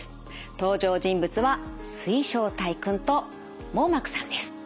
登場人物は水晶体くんと網膜さんです。